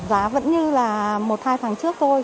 giá vẫn như là một hai tháng trước thôi